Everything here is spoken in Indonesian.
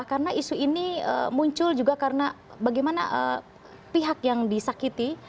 karena isu ini muncul juga karena bagaimana pihak yang disakiti